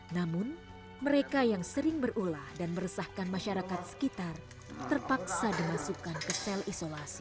namun mereka yang sering berulah dan meresahkan masyarakat sekitar terpaksa dimasukkan ke sel isolasi